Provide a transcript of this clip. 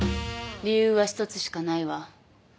理由は一つしかないわ。